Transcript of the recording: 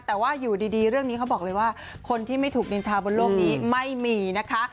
แต่ว่าอยู่ดีเรื่องนี้เขาบอกเลยว่าคนที่ไม่ถูกนินทาบนโลกนี้ไม่มีนะคะ